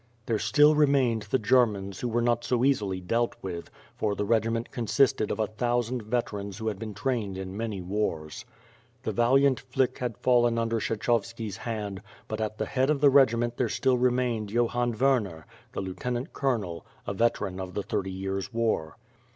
There still remained the Germans who were not so easily dealt with, for the regiment consisted of a thousand veterans who had been trained in many wars. The valiant Flick had fallen under Kshechovski's hand, but at the head of the regiment there still remained Johann Wer ner, the lieutenant colonel, a veteran of the Thirty Years War.